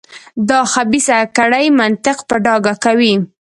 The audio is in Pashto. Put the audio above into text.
دا د خبیثه کړۍ منطق په ډاګه کوي.